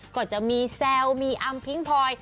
ก็จะมีแซวมีอำพิ้งพลอย